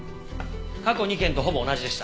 過去２件とほぼ同じでした。